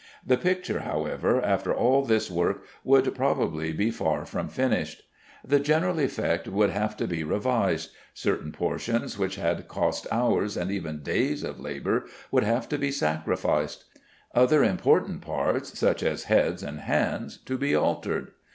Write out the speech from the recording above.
The picture, however, after all this work, would probably be far from finished. The general effect would have to be revised; certain portions which had cost hours, and even days of labor, would have to be sacrificed; other important parts, such as heads and hands, to be altered.